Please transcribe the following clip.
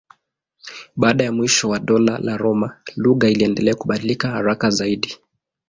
Baada ya mwisho wa Dola la Roma lugha iliendelea kubadilika haraka zaidi.